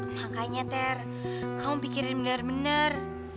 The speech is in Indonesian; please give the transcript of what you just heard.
makanya ter kamu pikirin bener bener